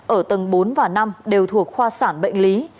ở tầng bốn và năm đều thuộc khoa sản bệnh lý